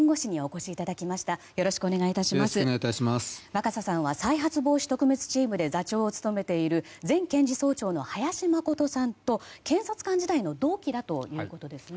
若狭さんは再発防止特別チームで座長を務めている前検事総長の林眞琴さんと検察官時代の同期だということですね。